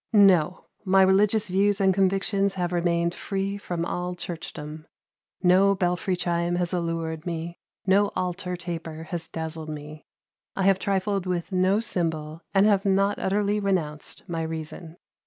No! My religious views and convictions have remained free from all churchdom; no belfry chime has allured me, no altar taper has dazzled me. I have trifled with no symbol, and have not utterly renounced my reason.